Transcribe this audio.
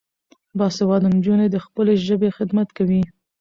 باسواده نجونې د خپلې ژبې خدمت کوي.